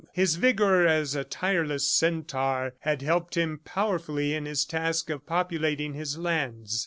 His vigor as a tireless centaur had helped him powerfully in his task of populating his lands.